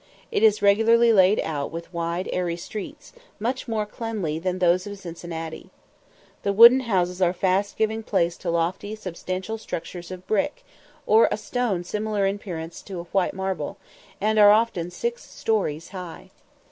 It is regularly laid out with wide airy streets, much more cleanly than those of Cincinnati. The wooden houses are fast giving place to lofty substantial structures of brick, or a stone similar in appearance to white marble, and are often six stories high.